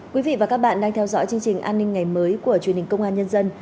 quý vị và các bạn đang theo dõi chương trình an ninh ngày mới của truyền hình công an nhân dân